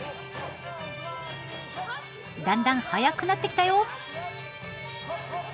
だんだん速くなってきたよ。